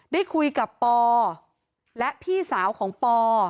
ได้คุยกับปอและพี่สาวของปอ